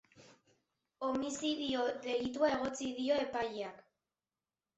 Homizidio delitua egotzi dio epaileak.